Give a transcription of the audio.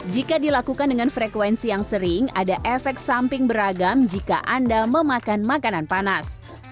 jika dilakukan dengan frekuensi yang sering ada efek samping beragam jika anda memakan makanan panas